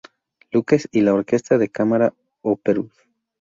Luke's y la Orquesta de Cámara Orpheus.